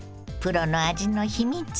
プロの味の秘密